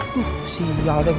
tuh siyal deh gue